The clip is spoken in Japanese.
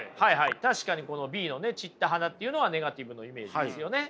確かにＢの散った花っていうのはネガティブのイメージですよね。